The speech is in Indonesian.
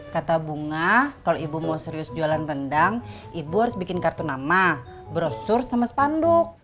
kata bunga kalau ibu mau serius jualan rendang ibu harus bikin kartu nama brosur sama spanduk